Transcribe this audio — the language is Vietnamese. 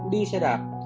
đi xe đạp